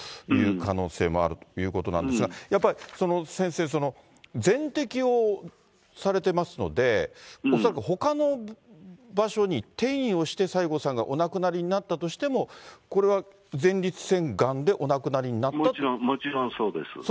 いう可能性もあるっていうことなんですが、やっぱり先生、全摘をされてますので、恐らくほかの場所に転移をして、西郷さんがお亡くなりになったとしても、これは前立腺がんでお亡くなりにもちろんそうです。